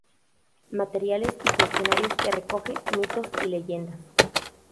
Materiales y Cuestionarios", que recoge mitos y leyendas.